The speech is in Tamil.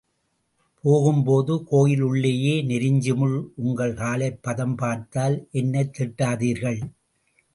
போகும்போது, கோயில் உள்ளேயே நெருஞ்சிமுள் உங்கள் காலைப் பதம் பார்த்தால் என்னைத் திட்டாதீர்கள்.